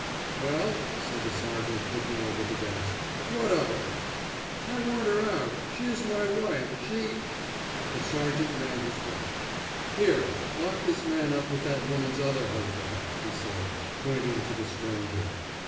"Well," said the sergeant, looking over the desk, "what of her?" "I want her out; she is my wife. She " The sergeant rang his bell. "Here, lock this man up with that woman's other husband," he said, pointing to the stranger.